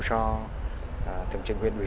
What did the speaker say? cho tổng chức huyện